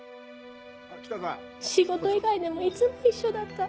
仕事以外でもいつも一緒だった。